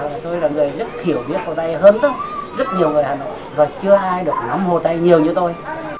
rồi chưa ai được nắm hồ tây nhiều như tôi